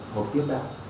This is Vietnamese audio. học tiếp đạo